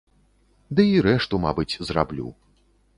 Ды і рэшту, мабыць, зраблю.